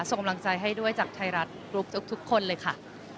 ส่งกำลังใจให้ด้วยจากไทยรัฐกรุ๊ปทุกคนเลยค่ะ